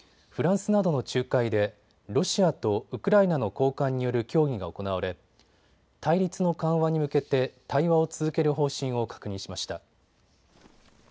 フランスなどの仲介でロシアとウクライナの高官による協議が行われ対立の緩和に向けて対話を続ける方針を確認しました。